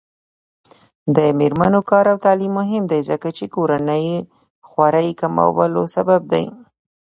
د میرمنو کار او تعلیم مهم دی ځکه چې کورنۍ خوارۍ کمولو سبب دی.